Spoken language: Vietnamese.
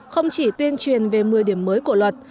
không chỉ tuyên truyền về một mươi điểm mới của luật